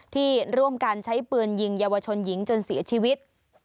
ที่ร่วมกันใช้ปืนยิงเยาวชนหญิงจนเสียชีวิต